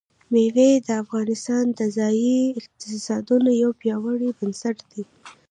مېوې د افغانستان د ځایي اقتصادونو یو پیاوړی بنسټ دی.